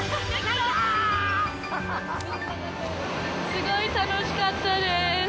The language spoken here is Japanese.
すごい楽しかったです。